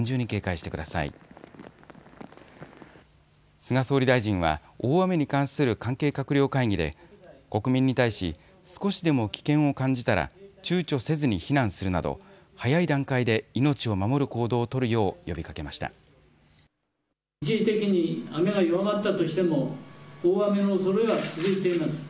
菅総理大臣は大雨に関する関係閣僚会議で国民に対し少しでも危険を感じたらちゅうちょせずに避難するなど早い段階で命を守る行動を取るよう呼びかけました。